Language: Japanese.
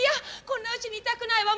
こんなうちにいたくないわ。